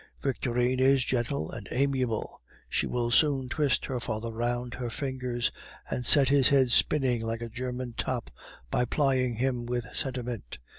Victorine is gentle and amiable; she will soon twist her father round her fingers, and set his head spinning like a German top by plying him with sentiment!